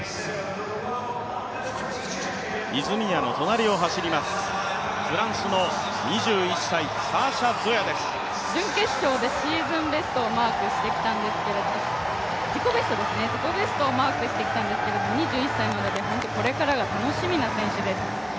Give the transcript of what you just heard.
泉谷の隣を走ります、フランスの２１歳、準決勝で自己ベストをマークしてきたんですけど２１歳なのでこれからが楽しみな選手です。